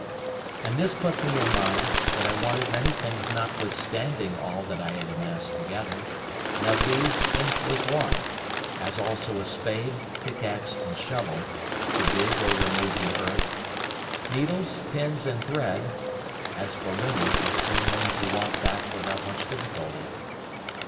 And this put me in mind that I wanted many things notwithstanding all that I had amassed together; and of these, ink was one; as also a spade, pickaxe, and shovel, to dig or remove the earth; needles, pins, and thread; as for linen, I soon learned to want that without much difficulty.